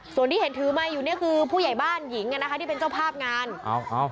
ส่วนที่เห็นถือไมค์อยู่เนี่ยคือผู้ใหญ่บ้านหญิงอ่ะนะคะที่เป็นเจ้าภาพงานอ้าว